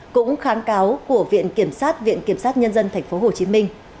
cũng kháng cáo của viện kiểm sát viện kiểm sát nhân dân tp hcm